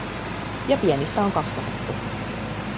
Ja pienistä on kasvatettu.